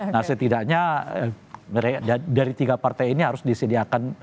nah setidaknya dari tiga partai ini harus disediakan